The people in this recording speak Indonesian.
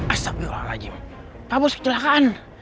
astagfirullahaladzim pak bos kecelakaan